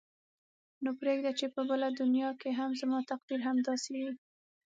نو پرېږده چې په بله دنیا کې هم زما تقدیر همداسې وي.